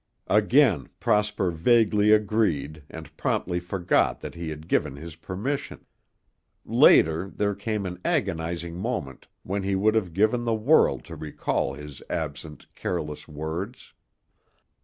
Again Prosper vaguely agreed and promptly forgot that he had given his permission. Later, there came an agonizing moment when he would have given the world to recall his absent, careless words.